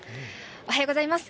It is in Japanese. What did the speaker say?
おはようございます。